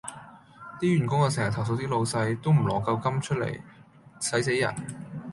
啲員工又成日投訴啲老細：都唔挪舊金出嚟，駛死人